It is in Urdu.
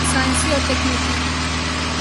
سائنسی اور تکنیکی